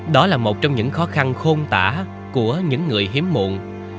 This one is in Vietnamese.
đó là một trong những khó khăn khôn tả của những người hiếm muộn